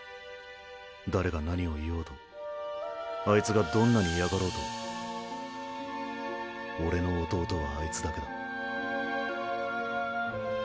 誰が何を言おうとあいつがどんなに嫌がろうと俺の弟はあいつだけだ。